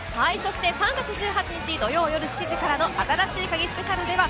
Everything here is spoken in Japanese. ３月１８日土曜夜７時からの新しいカギスペシャルでは